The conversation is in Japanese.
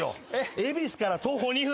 恵比寿から徒歩２分。